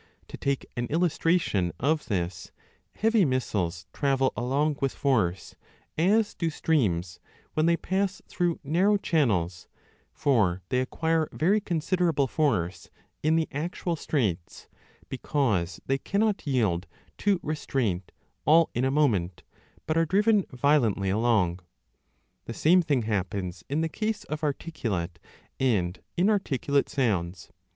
To take an illus tration of this ; heavy missiles travel along with force, 35 as do streams when they pass through narrow channels, for they acquire very considerable force in the actual straits, because they cannot yield to restraint all in a moment, but arc driven violently along. The same thing happens in the case of articulate and inarticulate sounds.